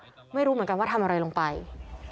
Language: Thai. แต่ว่าวินนิสัยดุเสียงดังอะไรเป็นเรื่องปกติอยู่แล้วครับ